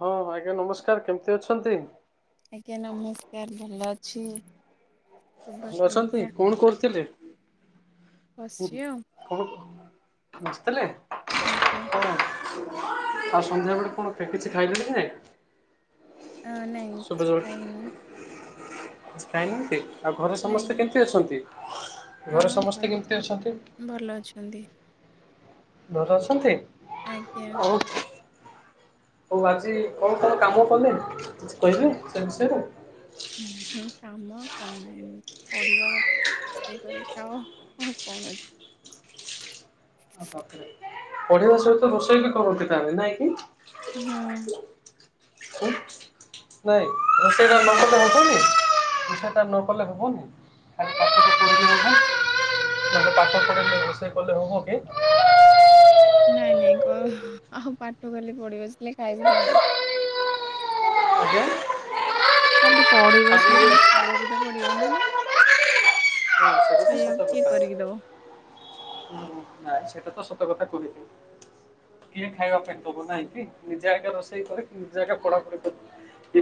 ହଁ ଆଜ୍ଞା ନମସ୍କାର। କେମିତି ଅଛନ୍ତି? ଆଜ୍ଞା ନମସ୍କାର ଭଲ ଅଛି। ଶୁଭ ଭଲ ଅଛନ୍ତି। ସନ୍ଧ୍ୟା କଣ କରୁଥିଲେ? ବସିଛି ଆଉ। [unintelligible] ଵସିଥିଲେ। ଆଜ୍ଞା। ଆଉ ସନ୍ଧ୍ୟାବେଳେ କଣ କେ କିଛି ଖାଇଲେଣି କି ନାଇ? ଅଁ ନାଇଁ କିଛି ଖାଇନି। କିଛି ଖାଈନାହାନ୍ତି। ଆଉ ଘରେ ନାଇଁ ସମସ୍ତେ କେମିତି ଅଛନ୍ତି? ହଁ ସମସ୍ତେ ଘରେ କେମିତି ଅଛନ୍ତି? ଉମ ଭଲ ଅଛନ୍ତି। ଘରେ ଅଛନ୍ତି। ଆଜ୍ଞା। ହଉ ଆଜି କଣ କଣ କାମ କଲେ କିଛି କହିବେ ସେ ବିଷୟରେ? ଉଁ ହୁଁ କାମ କଣ ଏମ ପଢିବା କ ରୋଷେଇ କରିକି ଖାଓ ଆଉ କଣ ପଢିବା ସହିତ ରୋଷେଇ ବି କରନ୍ତି ତାହେଲେ ନାଇଁ କି। ହୁଁ। ଉଁ ନାଇଁ ଏ ସେଇଟା [inaudible] ଆଜ୍ଞା [inaudible] ନକଲେ ହବନି [inaudible] ନହେଲେ ପାଠ ପଢ଼ି [inaudible] ରୋସେଇ କଲେ ହବ କି। ନାଇଁ ନାଇଁ କ ଆଉ ପାଠ ଖାଲି ପଢିି ବସିଲେ ଖାଇବୁ କେମିତି। ଆଜ୍ଞା। ଖାଲି ପଡି ଖାଲି ବସିଲେ ପୁଣି ଖାଇବାକୁ ତ ପଡିବ ନା ନାଇ। ଖଇ ବାକୁ କିଏ କରିକି ଦେବ। [unintelligible] ସେଟା ତ ସତ କଥା କହିହନି। କିଏ ଖାଇବା ପାଇଁ ଦବ ନାହିଁ କି ନିଜେ ଆା ରୋଷେଇ କରେ ନିଜେ ଆା ପଡାପୁଢି କରେ।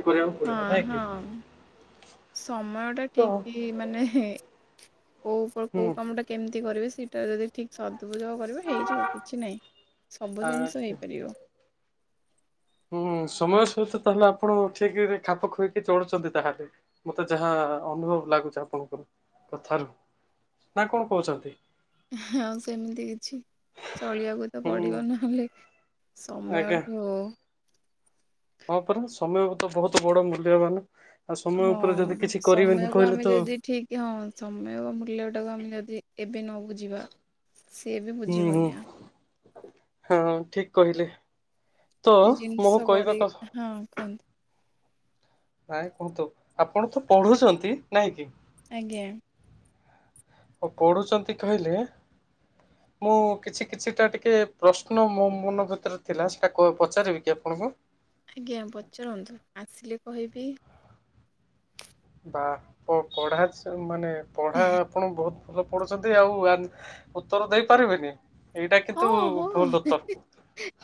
ହଁ ହଁ ସମୟ ଟା ତ ଠିକି। ମାନେ ହେ କୋଉ ହୁଁ କୋଉ କାମଟା। କେମିତି କରିବେ ସେଇଟା ଯଦି ଠିକ ସଦୁପଯୋଗ କରିବେ ହେଇଯିବ କିଛି ନାହିଁ। ସବୁ ଆ ଜିନିଷ ହେଇପାରିବ। ହୁଁ ସମୟ ସହିତ ତାହେଲେ ଆପଣ ଠିକ ଖାପ ଖୁଇକି ଚଳୁଛନ୍ତି ତାହେଲେ। ମତେ ଯାହା ଅନୁଭବ ଲାଗୁଛି ଆପଣଙ୍କ କଥାରୁ। ନା କଣ କହୁଛନ୍ତି ହଁ ସେମିତି କିଛି ଚଳିବାକୁ ତ ହୁଁ ପଡିବ ନହେଲେ। ସମୟଠୁ। ହପରା ସମୟକୁତ ବହୁତ ବଡ ମୂଲ୍ୟବାନ। ଆଉ ସମୟ ହଁ ଉପରେ ଯଦି କିଛି କରିବେନି ସମୟକୁ କହିଲେ ଆମେ ତ ଯଦି ଠିକ। କି ହଁ ସମୟ ମୂଲ୍ୟଟାକୁ ଆମେ ଯଦି ଏବେ ନ ବୁଝିବା ସିଏ ବି ହୁଁ ହୁଁ ବୁଝିବନି ଆ ହଁ ଠିକ କହିଲେ। ତ ସେ ମୋ ଜିନିଷ କହିବା ଗଡେଇ କଥା। ହଁ କୁହନ୍ତୁ। ନାଇଁ କୁହନ୍ତୁ ଆପଣ ତ ପଢୁଛନ୍ତି ନାଇଁ କି। ଆଜ୍ଞା। ପଢୁଛନ୍ତି କହିଲେ। ମୁଁ କିଛି କିଛିଟା ଟିକେ ପ୍ରଶ୍ନ ମୋ ମନ ଭିତରେ ଥିଲା ସେଇଟା ପଚାରିବି କି ଆପଣଙ୍କୁ। ଆଜ୍ଞା ପଚନ୍ତୁ ଆସିଲେ କହିବି। ବା ପ ପଢା ମାନେ ପଢ଼ା। ଆପଣ ବହୁତ ଭଲ ପଢୁଛନ୍ତି ଆଉ ଉତ୍ତର ଦେଇପାରିବେନି। ଏଇଟା ହଁ କିନ୍ତୁ ହଁ ଭୁଲ ହେ ଉତ୍ତର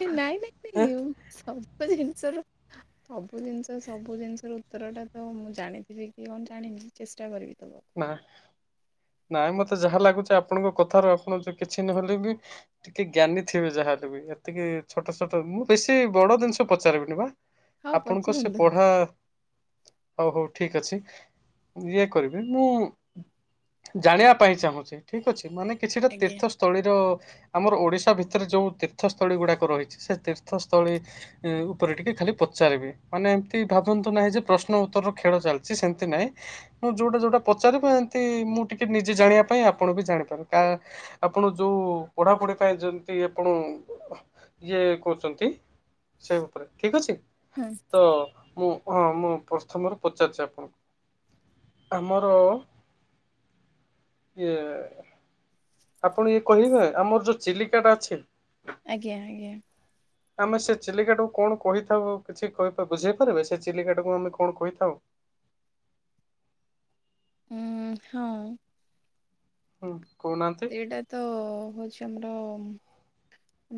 ହେ ନାଇଁ ନାଇଁ ନାଇଁ ସବୁ ଜିନିଷର। ସବୁ ଜିନିଷ ସବୁ ଜିନିଷ ର ଉତ୍ତର ଟା ତ ମୁଁ ଜାଣିଥିବି କି କଣ ଜାଣିନି ଚେଷ୍ଟା କରିବି ଦବାକୁ। ନାଇଁ ମତେ ଯାହା ଲାଗୁଛି ଆପଣଙ୍କ କଥାରୁ ଆପଣ ଯଉ କିଛି ନହଲେ ବି ଟିକେ ଜ୍ଞାନୀ ଥିବେ ଯାହାେଲେ ବି ଏତିକି ଛୋଟ ଛୋଟ ମୁଁ ବେଶୀ ବଡ ଜିନିଷ ପଚାରିବିନି ବା। ହଉ ଆପଣଙ୍କ ସେ ପଚାରନ୍ତୁ। ପଢା ହଉ ହଉ ଠିକ ଅଛି ଇଏ କରିବି। ମୁଁ ଜାଣିବା ପାଇଁ ଚାହୁଁଛି ଠିକ ଅଛି ମାନେ କିଛିଟା ଆଜ୍ଞା। ତୀର୍ଥ ସ୍ଥଳୀର ଆମର ଓଡ଼ିଶା ଭିତରେ ଯେଉଁ ତୀର୍ଥସ୍ଥଳୀ ଗୁଡ଼ାକ ରହିଛି ସେ ତୀର୍ଥସ୍ଥଳୀ ଉପରେ ଟିକେ ଖାଲି ପଚାରିବି ମାନେ ଏମତି ଭାବନ୍ତୁ ନାହିଁ ଯେ ପ୍ରଶ୍ନ ଉତ୍ତରର ଖେଳ ଚାଲିଛି ସେମିତି ନାହିଁ। ମୁଁ ଯୋଉଟା ଯୋଉଟା ପଚାରିିବ ଏନ୍ତି ମୁଁ ଟିକେ ନିଜେ ଜାଣିବା ପାଇଁ ଆପଣ ବି ଜାଣିପାର କା। ଆପଣ ଯୋଉ ପଢାପଢି ପାଇଁ ଯେମିତି ଆପଣ ଯିଏ କହୁଛନ୍ତି। ସେ ଠିକ ଅଛି ହଁ ତ ମୁଁ ହଁ ମୁଁ ପ୍ରଥମରୁ ପଚାରୁଛି ଆପଣଙ୍କୁ। ଆମର। ଇଏ ଆପଣ ଇଏ କହିବେ ଆମର ଯେଉ ଚିଲିକାଟା ଅଛି। ଆଜ୍ଞା ଆଜ୍ଞା। ଆମେ ସେ ଚିଲିକାଟାକୁ କଣ କହିଥାଉ କିଛି ବୁଝେଇ ପାରିବେ ସେ ଚିଲିକାଟାକୁ ଆମେ କଣ କହିଥାଉ। ଉ ହଁଉ। ହୁଁ କହୁ ନାହାଁନ୍ତି। ସେଇଟା ତ ହଉଛି ଆମର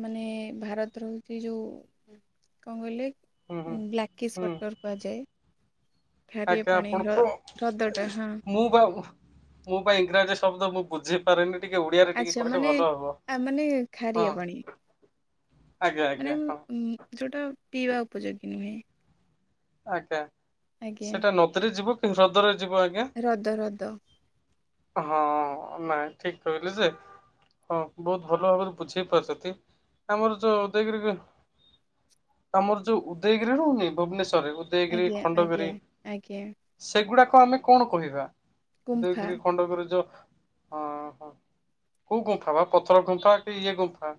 ମାନେ ଭାରତ ର ହୋଉଛି ଯୋଉ କଣ କହିଲେ ହୁଁ ହୁଁ ବ୍ଲାକିସ ହୁଁ ସ୍ଵଟର କୁହାଯାଏ। ଖାରିିଆ ଆଜ୍ଞା ପାଣି ଆପଣ ର ତ ହ୍ରଦ ଟା ହଁ। ମୁଁ କାହାକୁ ମୋ ପାଇଁ ଇଂରାଜୀ ଶବ୍ଦ ମୁ ବୁଝି ପାରେନି ଟିକେ ଓଡିଆରେ ଟିକେ ଆଚ୍ଛା କହିଲେ ମାନେ ଭଲ ହବ ଆ ମାନେ ଖାରିଆ ହଁ। ପାଣି ଆଜ୍ଞା ଆଜ୍ଞା ମାନେ ହଁ ଉଁ ଯୋଉଟା ପିଇବା ଉପଯୋଗୀ ନୁହେଁ। ଆଜ୍ଞା ଆଜ୍ଞା ସେଇଟା ନଦୀରେ ଯିବ କି ହ୍ରଦରେ ଯିବ ଆଜ୍ଞା। ରଦ ରଦ। ହଁ ନାଇଁ ଠିକ କହିଲି ଯେ। ହଁ ବହୁତ ଭଲ ଭାବରେ ବୁଝେଇ ପାରୁଛନ୍ତି। ଆମର ଯୋଉ ଉଦେୟଗିରିରେ ଆମର ଯୋଉ ଉଦୟଗିରି ରହୁନି ଭୁବନେଶ୍ଵରରେ ଉଦୟଗିରି ଆଜ୍ଞା ଆଜ୍ଞା ଖଣ୍ଡଗିରି ଆଜ୍ଞା ସେଗୁଡାକ ଆମେ କଣ କହିବା ଗୁମ୍ଫା ଉଦୟଗିରି ଖଣ୍ଡଗିରି ଯାଉ। ହଁ ହୋ କୋଉ ଗୁମ୍ଫା ବା ପଥର ଗୁମ୍ଫା କି ଇଏ ଗୁମ୍ଫା।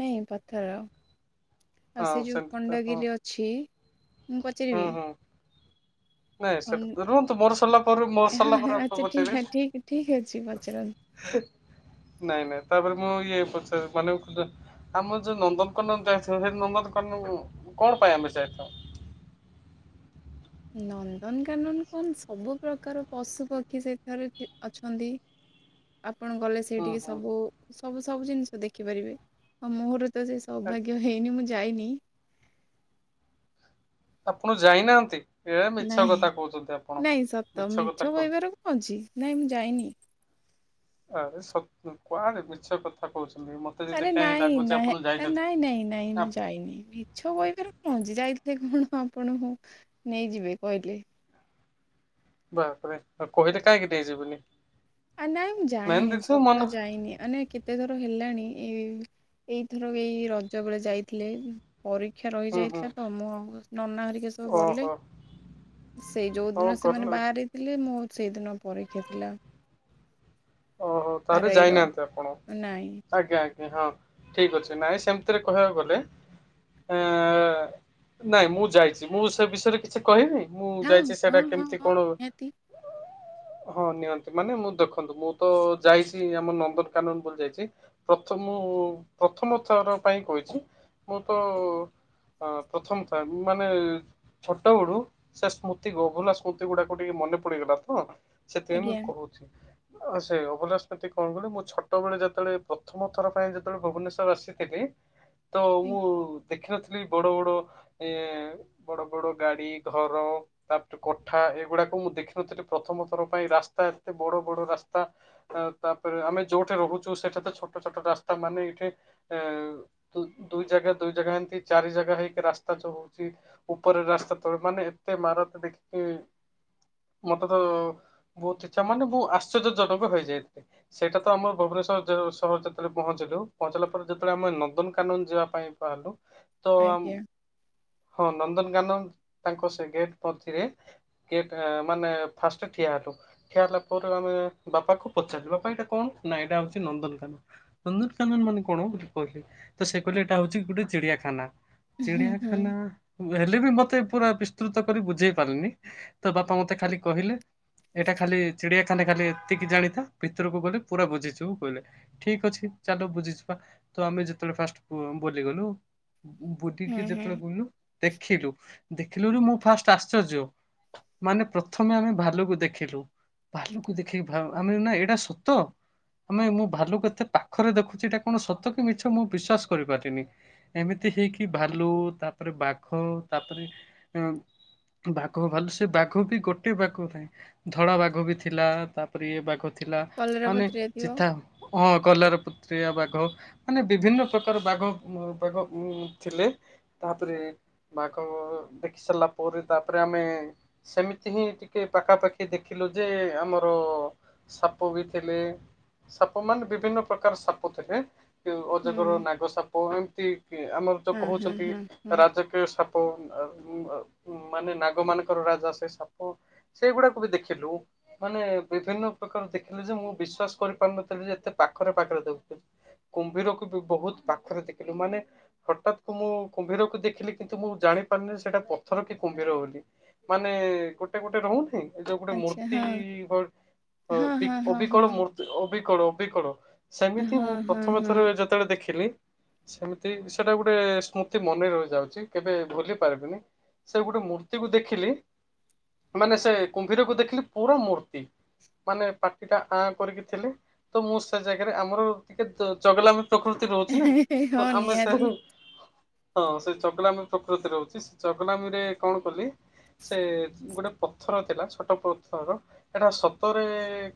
ନାଇଁ ପଥର ଆଉ ହଁ ସେ ଯୋଉ ସେମିତି ତ ହଁ ଖଣ୍ଡଗିରି ଅଛି ମୁଁ ହୁଁ ପଚାରିବି। ହୁଁ ନାଇଁ ସେଠା ଖଣ୍ଡ ତ ରୁହନ୍ତୁ ମୋର ସରିଲା ପରେ ମୋର ହଁ ସରିଲା ହଁ, ପରେ ଆପଣ ଆଚ୍ଛା ଠିକ ଠିକ ଠିକ ଅଛି ପଚାରିବେ। ପଚାରନ୍ତୁ। ହେ ନାଇଁ ନାଇଁ ତାପରେ ମୁଁ ଇଏ ପଚାରୁ ମାନେ ଆମର ଯୋଉ ନନ୍ଦନକନ ଯାଇଥାଉ ସେ ନନ୍ଦନକନ କଣ ପାଇଁ ଆମେ ଯାଇଥାଉ? ନନ୍ଦନକାନନ କଣ ସବୁ ପ୍ରକାର ପଶୁପକ୍ଷୀ ସେଠାରେ ଅଛନ୍ତି। ହଁ [unintelligible] ଆପଣ ଗଲେ ସେଠିକେ ସବୁ ସବୁ ସବୁ ଜିନିଷ ଦେଖିପାରିବେ। ହଁ ମୋର ତ ସେ ସୌଭାଗ୍ୟ ହେଇନି ମୁଁ ଯାଇନି ଆପଣ ଯାଇନାହାନ୍ତି। ଏ ମିଛ ନାଇଁ କଥା କହୁଛନ୍ତି ଆପଣ ନାଇଁ ସତ କଥା ମିଛ କହୁ କହିବାର କଣ ଅଛି। ନାଇଁ ମୁଁ ଯାଇନି। ଆରେ ସତ କୁଆଡରେ ମିଛ କଥା କହୁଛନ୍ତି ମତେ। ଯଦି ଆରେ କାହିଁ ନାଇଁ ଲାଗୁଛି ନାଇଁ ଆପଣ ଯାଇଛନ୍ତି ନାଇଁ ନାଇଁ ନାଇଁ ମୁଁ ଯାଇନି ମି ଛ କହିବାର କଣ ଅଛି। ଯାଇଥିଲେ କଣ ଆପଣଙ୍କୁ ନେଇଯିବେ କହିଲେ। ବାପ ରେ ଆଉ କହିଲେ କାଇକି ଦିଆ ଯିବନି। ଆ ନାଇଁ ମୁଁ ଯାଇନି ସତ ଯାଇନି ମାନେ ଏତେ ଥର ହେଲାଣି ଏଇ ଏଇଥର ଏଇ ରଜ ବେଳେ ଯାଇଥିଲେ ପରୀକ୍ଷା ହୁଁ ହୁଁ ରହିଯାଇଥିଲା ତ ମୁଁ ଆଉ ନନା ହରିକା ସ ସ ବୁଲେ ଓହୋ ସେଇ ଯୋଉ ହଉ ଦିନ ସେମାନେ ଗଲେ ବାହାରେ ହେଲେ ମୋର ସେଇଦିନ ପରୀକ୍ଷା ଥିଲା। ଓହୋ ଆର ତାହେଲେ ଆଇ ର ଯାଇନାହାନ୍ତି ଆପଣ। ନାଇଁ ଆଜ୍ଞା ଆଜ୍ଞା ହଁ ଠିକ ଅଛି ନାଇଁ ସେମିତିରେ କହିବାକୁ ଗଲେ ଏ ନାଇଁ ମୁଁ ଯାଇଛି ମୁଁ ସେ ବିଷୟରେ କିଛି କହିବି ମୁଁ ହଁ ଯାଇଛି ସେଟା ହଁ ହଁ କେମିତି ହଁ କଣ ନିହାତି ହଁ ନିଅନ୍ତି ମାନେ ମୁଁ ଦେଖନ୍ତୁ ମୁଁ ତ ଯାଇଛି ଆମର ନନ୍ଦନକାନନ ବୋଲି ଯାଇଛି। ପ୍ରଥ ମୁଁ ପ୍ରଥମଥର ପାଇଁ କହିଛି ମୁଁ ତ ହଁ ପ୍ରଥମ ଥା ମୁଁ ମାନେ ଛୋଟ ବଡୁ ସେ ସ୍ମୃତି ଗଭୁଲା ସ୍ମୃତି ଗୁଡାକୁ ଟିକେ ମନେ ପଡିଗଲା ତ। ସେଥିପାଇଁ ମୁଁ ଆଜ୍ଞା କହୁଛି। ଆ ସେ ଅଭୁଲା ସ୍ମୃତି କଣ କହିଲେ, ମୁଁ ଛୋଟବେଳେ ଯେତେବେଳେ ପ୍ରଥମ ଥର ପାଇଁ ଯେତେବେଳେ ଭୁବନେଶ୍ୱର ଆସିଥିଲି ତ ମୁଁ ଆଜ୍ଞା ଦେଖିନଥିଲି ବଡ଼ ବଡ଼ ଏ ବଡ଼ ବଡ଼ ଗାଡି, ଘର। ତାପରେ କୋଠା ଏଗୁଡାକୁ ମୁଁ ଦେଖିନଥିଲି, ପ୍ରଥମ ଥର ପାଇଁ ରାସ୍ତା ଏତେ ବଡ ବଡ ରାସ୍ତା। ତାପରେ ଆମେ ଯୋଉଠି ରହୁଛୁ, ସେଠା ତ ଛୋଟ ଛୋଟ ରାସ୍ତା ମାନେ ଏଇଠି ହଁ ଦୁଇ ଜାଗା, ଦୁଇ ଜାଗା ଏମତି ଚାରି ଜାଗା ହେଇକି ରାସ୍ତା ଜଉ ହେଉଛି ଯେ ହେଉଛୁ। ଉପରେ ରାସ୍ତା ତଳେ ମାନେ ଏତେ ଇମାରତ ଦେଖିକି ମତେ ତ ବହୁତ ଇଚ୍ଛା ମାନେ ବହୁ ଆଶ୍ଚର୍ଯ୍ୟଜନକ ହେଇଯାଇଥିଲି। ସେଇଟା ତ ଆମର ଭୁବନେଶ୍ଵର ସହର ଯେତେବେଳେ ପହଞ୍ଚିଲୁ, ପହଞ୍ଚିଲା ପରେ ଯେତବେଳେ ଆମେ ନନ୍ଦନକାନନ ଯିବା ପାଇଁ ବାହାରିଲୁ ତ ଆମେ ଆଜ୍ଞା। ହଁ ନନ୍ଦନକାନନ ତାଙ୍କ ସେ ଗେଟ କରିଥିଲେ ଗଟେ ମାନେ ଫାଷ୍ଟ ଠିଆ ହେଲୁ ଠିଆ ହେଲା ପରେ। ବାପା କୁ ପଚାରିଲୁ ବାପା ଏଇଟା କଣ? ନା ଏଇଟା ହଉଛି ନନ୍ଦନକାନ। ନନ୍ଦନକାନନ ମାନେ କଣ ବୋଲି କହିଲି। ତ ସେ କହିଲେ ଏଇଟା ହଉଛି ଗୋଟେ ଚିଡିଆଖାନା। ହୁଁ ହୁଁ ଚିଡ଼ିଆଖାନା ହେଲେ ବି ମତେ ପୁରା ବିସ୍ତୃତ କରି ବୁଝେଇ ପାରିନି, ତ ବାପା ମତେ ଖାଲି କହିଲେ ଏଇଟା ଖାଲି ଚିଡ଼ିଆଖାନା ଖାଲି, ଏତିକି ଜାଣିଥା, ଭିତରକୁ ଗଲେ ପୁରା ବୁଝିଛିବୁ କହିଲେ। ଠିକ ଅଛି ଚାଲ ବୁଝିଛିବା, ତ ଆମେ ଯେତେବେଳେ ଫାଷ୍ଟ ବୁଲିଗଲୁ। ବୁଲିକି ହୁଁ ହୁଁ ଯେତେବେଳେ ବୁଲିଲୁ ଦେଖିଲୁ ଦେଖିଲୁ ମୁଁ ଫାଷ୍ଟ ଆଶ୍ଚର୍ଯ୍ୟ। ମାନେ ପ୍ରଥମେ ଆମେ ଭାଲୁକୁ ଦେଖିଲୁ। ଭାଲୁକୁ ଦେଖେଇି ଭା ଆମେ ନା ଏଇଟା ସତ। ଆମେ ମୁଁ ଭାଲୁ କୁ ଏତେ ପାଖରେ ଦେଖୁଛି, ଏଇଟା କଣ ସତ କି ମିଛ ମୁଁ ବିଶ୍ୱାସ କରିପାରିନି। ଏମିତି ହେଇକି ଭାଲୁ ତାପରେ ବାଘ ତାପରେ। ବାଘ ଭାଲୁ ସେ ବାଘ ବି ଗୋଟେ ବାଘ ନାହଁ ଧଳା ବାଘ ବି ଥାଏ। ଥିଲା ତାପରେ ଇଏ ବାଘ ଥିଲା କଲରା ମାନେ ପତ୍ରିକା ଥିବ ଚିତା ହଁ କଲାର ପତ୍ରିଆ ବାଘ। ମାନେ ବିଭିନ୍ନ ପ୍ରକାର ବାଘ, ବାଘ ଉ ଥିଲେ। ତାପରେ ବାଘ ଦେଖି ସାରିଲା ପରେ ତାପରେ ଆମେ ସେମିତି ହିଁ ଟିକେ ପାଖାପାଖି ଦେଖିଲୁ ଯେ ଆମର ସାପ ବି ଥିଲେ। ସାପ ମାନ ବିଭିନ୍ନ ପ୍ରକାର ସାପ ଥିଲେ। ହୁଁ ଅଜଗର, ହୁଁ ନାଗ ସାପ, ଏମିତି କି ଆମର ଯୋଉ ହଁ ହଁ କହୁଛନ୍ତି ହଁ ହଁ ହି ରାଜ ସାପ ମାନେ ନାଗ ମାନଙ୍କର ରାଜା ସେ ସାପ। ସେଇଗୁଡାକୁ ବି ଦେଖିଲୁ। ମାନେ ବିଭିନ୍ନ ପ୍ରକାର ଦେଖିଲି ଯେ, ମୁଁ ବିଶ୍ଵାସ କରିପାରୁନଥିଲି ଯେ ଏତେ ପାଖରେ ପାଖରେ ଦେଖୁଥିଲି। କୁମ୍ଭୀରକୁ ବି ବହୁତ ପାଖରେ ଦେଖିଲୁ ମାନେ ହଠାତ୍ କୁ ମୁଁ କୁମ୍ଭୀରକୁ ଦେଖିଲି କିନ୍ତୁ ମୁଁ ଜାଣିପାରିନି ସେଇଟା ପଥର କି କୁମ୍ଭୀର ବୋଲି। ମାନେ ଗୋଟେ ଗୋଟେ ରହୁନହିଁ ଏ ଯୋଉ ଗୋଟେ ଆଚ୍ଛା ମୂର୍ତ୍ତି। ହଁ ହଁ ହଁ ହଁ ଅବିକଳ ମୂର୍ତ୍ତି। ଅବିକଳ, ଅବିକଳ ହଁ ସେମିତି ହଁ ମୁଁ ହଁ ପ୍ରଥମେ ହଁ ଥର ଯେତେବେଳେ ଦେଖିଲି ସେମିତି ସେଟା ଗୋଟେ ସ୍ମୃତି ମନେ ରହିଯାଉଛି କେବେ ଭୁଲି ପାରିବିନି। ସେ ଗୋଟେ ମୂର୍ତ୍ତିକୁୁ ଦେଖିଲି, ମାନେ ସେ କୁମ୍ଭୀରକୁୁ ଦେଖିଲି ପୁରା ମୂର୍ତ୍ତି। ମାନେ ପାଟି ଟା ଆଁ କରିକି ଥିଲେ। ତ ମୁଁ ସେ ଜାଗାରେ ଆମର ଟିକେ ଚଗାଲାମି ପ୍ରକୃତି ରହୁଛି ନା ହଁ ତ ଆମେ ସେ ନିହାତି ହଁ ସେ ଚଗଲାମି ପ୍ରକୃତରେ ରହୁଛି ସେ ଚଗଲାମି ରେ କଣ କଲି ସେ ଗୋଟେ ପଥର ଥିଲା ଛୋଟ ପ ଥର ଏଟା ସତରେ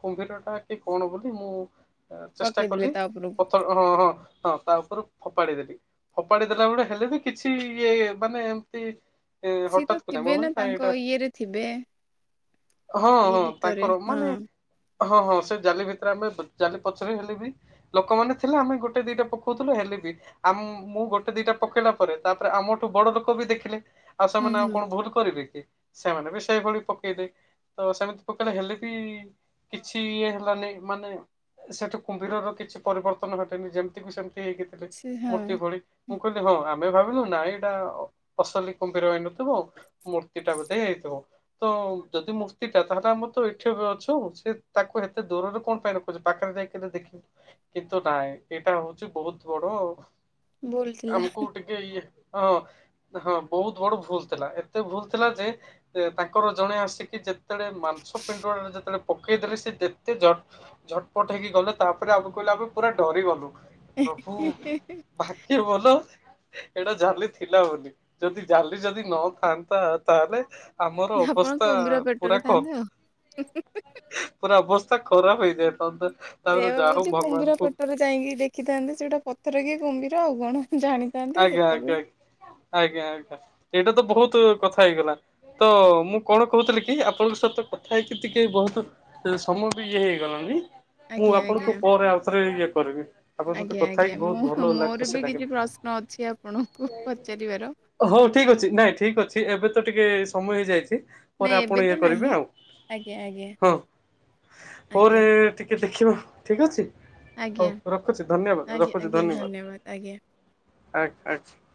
କୁମ୍ଭୀର ଟା କି କଣ ବୋଲି ମୁଁ ଚେଷ୍ଟା ପକେଇଦେଲେ କଲି ତା ଉପରକୁ ପଥର ହଁ ହଁ ହଁ ତା ଉପରୁ ଫେପାଡି ଦେଲି। ହପାଡ଼ି ଦେଲା ବଳେ ହେଲେ ବି କିଛି ଇଏ ମାନେ ଏମତି ହଠାତ୍ ମୁ କହିଲି ନାଁ ଏଇଟା। ଇଏ ରେ ଥିବେ। ହଁ ଇଏ ହଁ ଭିତରେ ତାଙ୍କର ହଁ ମାନେ ହଁ ହଁ ସେ ଜାଲି ଭିତରେ ଆମେ ଜାଲି ପଛରେ ହେଲେ ବି ଲୋକମାନେ ଥିଲେ ଆମେ ଗୋଟେ ଦିଟା ପକଉଥିଲୁ ହେଲେ ବି ଆମ ମୁଁ ଗୋଟେ ଦିଟା ପକେଇଲା ପରେ ତାପରେ ଆମଠୁ ବଡ ଲୋକ ବି ଦେଖିଲେ। ଆଉ ହୁଁ ସେମାନେ ଆଉ ହୁଁ କଣ ଭୁଲ କରିବେ କି ସେମାନେ ବି ସେଇଭଳି ପକେଇଦେ। ତ ସେମିତି ପକେଇଲେ ହେଲେ ବି କିଛି ଇଏ ହେଲାନି ମାନେ ସେଠୁ କୁମ୍ଭୀରର କିଛି ପରିବର୍ତ୍ତନ ଘଟିନି ଯେମିତିକୁ ସେମିତି ହେଇକିଥିଲେ ସେ ମୂର୍ତ୍ତି ହଁ ଭଳି। ମୁଁ କହିଲି ହଁ ଆମେ ଭାବିଲୁ ନାଇ ଏଇଟା ଅ ଅସଲି କୁମ୍ଭିର ହେଇନଥିବ। ମୂର୍ତ୍ତି ଟା ବୋଧେ ହେଇଥିବ ତ ଯଦି ମୂର୍ତ୍ତି ଠିକ୍ ଠାକ୍ ଏଠି ବି ଅଛୁ ସେ ତାକୁ ଏତେ ଦୂରରେ କଣ ପାଇଁ ରଖୁଛି ପାଖରେ ଯାଇକି ଦେଖି। କିନ୍ତୁ ନାଇଁ ଏଇଟା ହଉଛି ବହୁତ ବଡ ବୋଲୁଥିଲା। ଆମକୁ ଟି କେ ଇଏ ହଁ ହଁ। ହଁ ବହୁତ ବଡ ଭୁଲ ଥିଲା ଏତେ ଭୁଲ ଥିଲା ଯେ ତାଙ୍କର ଜଣେ ଆସିକି ଯେ ଯେତେବେଳେ ମାଂସ ପିଣ୍ଡୁଳା ଟା ଯେତେବେଳେ ପକେଇଦଲେ ସେ ଯେତେ ଝଟ ଝଟପଟ ହେଇକି ଗଲେ ତାପରେ ଆମ କହିଲେ ଆମେ ପୁରା ଡରିଗଲୁ। ପ୍ରଭୁ ଭାଗ୍ୟଭଲ ଏଇଟା ଜାଲି ଥିଲା ବୋଲି ଯଦି ଜାଲି ଜାଲି ଯଦି ନ ଥାଆନ୍ତା ତାହେଲେ ଆମର ଆପଣ ଅବସ୍ଥା ପୁରା ଖ [unintelligible] ଆଉ। ପୁରା ଅବସ୍ଥା ଖରାପ ହେଇଯାଇଥାନ୍ତା। ସେୟା ତାପରେ ବା ଯାହା ହଉ କହୁଛି କୁମ୍ଭୀର ଭଗବାନଙ୍କୁ ପେଟରେ ଯାଇକି ଦେଖିଥାନ୍ତେ ସେଇଟା ପଥର କି କୁମ୍ଭୀର ଆଉ କଣ ଜାଣି ଆଜ୍ଞା ଆଜ୍ଞା ଆଜ୍ଞା ଆଜ୍ଞା ଏଇଟା ତ ବହୁତ କଥା ହେଇଗଲା। ତ ମୁଁ କଣ କହୁଥିଲି କି ଆପଣଙ୍କ ସହିତ କଥା ହେଇକି ଟିକେ ବହୁତ ସମୟ ବି ଇଏ ହେଇଗଲାଣି। ମୁଁ ଆଜ୍ଞା ଆପଣଙ୍କୁ ଆଜ୍ଞା। ପରେ ଆଉ ଥରେ ଇଏ କରିବି ଆପଣଙ୍କ ସହିତ ଆଜ୍ଞା କଥା ହେଇକି ବହୁତ ଭଲ ଖୁସି ଲାଗେ। ନ ଝୀ ଆପଣ। ହଉ ଠିକ ଅଛି ନାଇଁ ଠିକ ଅଛି ଏବେ ତ ଟିକେ ସମୟ ହେଇଯାଇଛି ନାଇଁ ପରେ ଏବେ ଆପଣ ତ ଇଏ ନାହିଁ କରିବେ ଆଉ ଆଜ୍ଞା ଆଜ୍ଞା ହଁ ଆଜ୍ଞା ପରେ ଟି ଟିକେ ଦେଖିବା ଠିକ ଅଛି ଆଜ୍ଞା ହଉ ରଖୁଛି ଧନ୍ୟବାଦ ଆଜ୍ଞା ରଖୁଛି ଆଜ୍ଞା ଧନ୍ୟବାଦ। ଆଜ୍ଞା। [unintelligible]